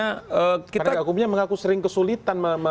pendekat hukumnya mengaku sering kesulitan